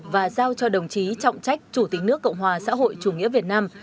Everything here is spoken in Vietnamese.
và giao cho đồng chí trọng trách chủ tịch nước cộng hòa xã hội chủ nghĩa việt nam